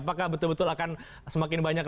apakah betul betul akan semakin banyak